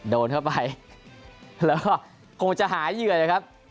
โดนเข้าไปแล้วก็คงจะหาเหยื่อนะครับ